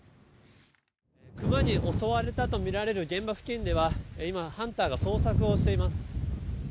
クマに襲われたとみられる現場付近では今、ハンターが捜索をしています。